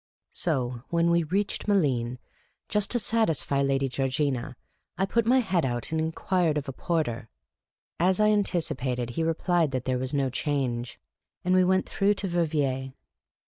So when we reached Malines, just to satisfy Lady Georgina, I put out my head and inquired of a porter. As I antici pated, he replied that there was no change; we went through to Verviers.